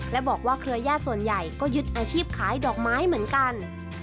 และบอกว่าเครือญาติส่วนใหญ่ก็ยึดอาชีพขายดอกไม้เหมือนกัน